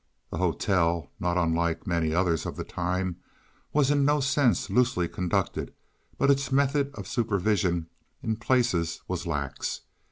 The hotel, not unlike many others of the time, was in no sense loosely conducted, but its method of supervision in places was lax.